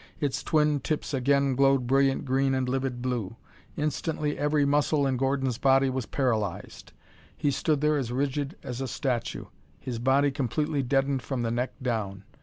Its twin tips again glowed brilliant green and livid blue. Instantly every muscle in Gordon's body was paralyzed. He stood there as rigid as a statue, his body completely deadened from the neck down.